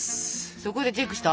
そこでチェックした？